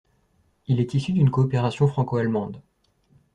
Il est issu d'une coopération franco-allemande.